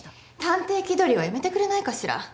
探偵気取りはやめてくれないかしら。